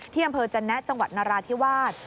อำเภอจันแนะจังหวัดนราธิวาส